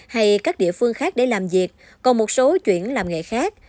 hay các địa phương khác để làm việc còn một số chuyển làm nghề khác